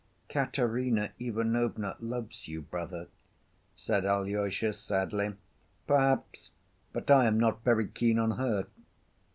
"Katerina Ivanovna loves you, brother," said Alyosha sadly. "Perhaps; but I am not very keen on her."